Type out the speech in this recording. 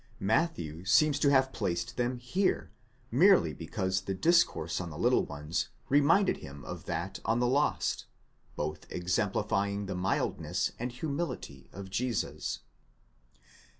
Matthew seems to have placed them here, merely because the discourse on the little ones reminded him of that on the lost—both exemplifying the mildness and humility of Jesus.